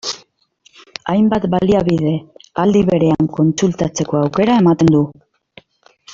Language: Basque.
Hainbat baliabide aldi berean kontsultatzeko aukera ematen du.